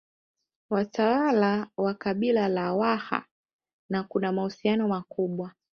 Watawala wa kabila la Waha na kuna mahusiano makubwa